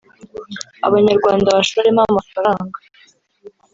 Abanyarwanda bashoremo amafaranga